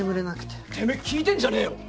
てめえ聞いてんじゃねえよ！